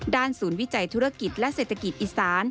ศูนย์วิจัยธุรกิจและเศรษฐกิจอีสาน